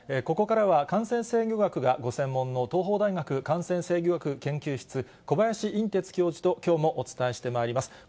ここからは、感染制御学がご専門の、東邦大学感染制御学研究室、小林寅てつ教授ときょうもお伝えしてまいります。